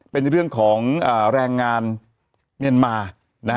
เป็นเรื่องของแรงงานเมียนมานะฮะ